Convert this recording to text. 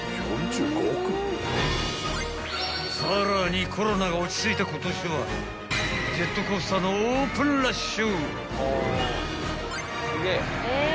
［さらにコロナが落ち着いた今年はジェットコースターのオープンラッシュ］